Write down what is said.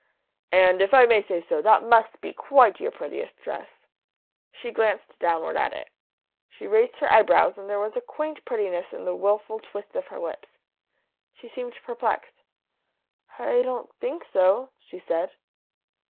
"And, if I may say so, that must be quite your prettiest dress." She glanced downward at it. She raised her eyebrows, and there was a quaint prettiness in the wilful twist of her lips. She seemed perplexed. "I don't think so," she said.